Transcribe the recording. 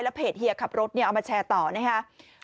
เพจเฮียขับรถเอามาแชร์ต่อนะครับ